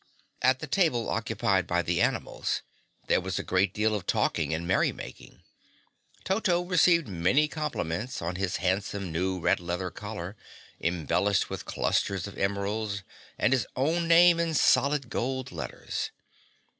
At the table occupied by the animals, there was a great deal of talking and merry making. Toto received many compliments on his handsome new red leather collar, embellished with clusters of emeralds and his own name in solid gold letters.